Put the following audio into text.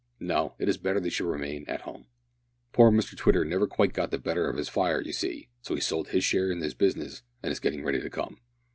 No, it is better that they should remain at home. "Poor Mr Twitter never quite got the better of his fire, you see, so he sold his share in his business, and is getting ready to come.